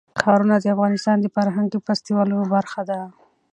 ښارونه د افغانستان د فرهنګي فستیوالونو برخه ده.